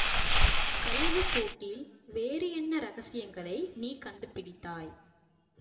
கழுகுக்கூட்டில் வேறு என்ன இரகசியங்களை நீ கண்டு பிடித்தாய்?